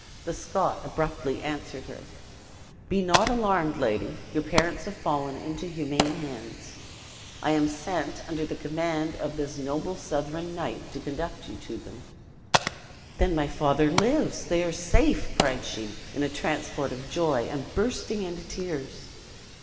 The Scot abruptly answered her: "Be not alarmed, lady, your parents have fallen into humane hands. I am sent, under the command of this noble Southron knight, to conduct you to them." "Then my father lives! They are safe!" cried she, in a transport of joy, and bursting into tears.